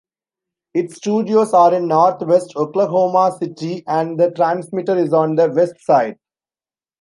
Its studios are in Northwest Oklahoma City, and the transmitter is on the Westside.